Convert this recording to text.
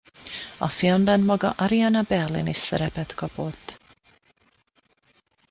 A filmben maga Ariana Berlin is szerepet kapott.